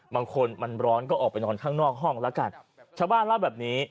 บางคนมันร้อนก็ออกไปนอนข้างนอกห้องแล้วกันชาวบ้านเล่าแบบนี้